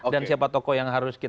dan siapa toko yang harus kita pilih